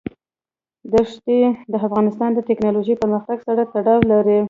دښتې د افغانستان د تکنالوژۍ پرمختګ سره تړاو لري.